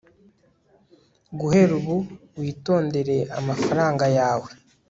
guhera ubu, witondere amafaranga yawe